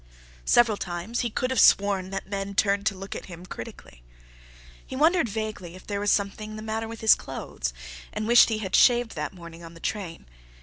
Several times he could have sworn that men turned to look at him critically. He wondered vaguely if there was something the matter with his clothes, and wished he had shaved that morning on the train.